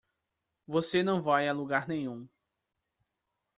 Você não vai a lugar nenhum.